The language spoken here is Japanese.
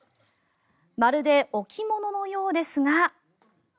まるで置物のようですが。